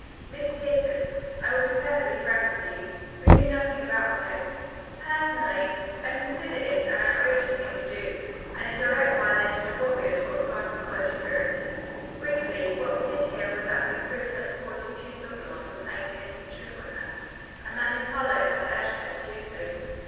Miss Pierson, I will be perfectly frank with you. We knew nothing about the note. Personally, I consider it an outrageous thing to do, and in direct violation of what we are taught regarding college spirit. Briefly, what we did hear was that Miss Briggs had reported two sophomores for playing an innocent trick on her, and that Miss Harlowe had urged her to do so.